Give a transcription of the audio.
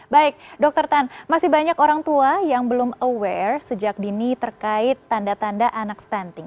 baik dokter tan masih banyak orang tua yang belum aware sejak dini terkait tanda tanda anak stunting